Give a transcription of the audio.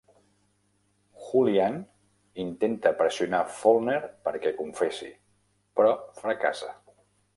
Hoolihan intenta pressionar Faulkner perquè confessi, però fracassa.